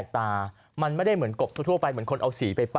เอาตัวเลือกหาลือยังไป